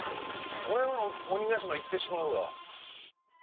これは鬼ヶ島行ってしまうわ。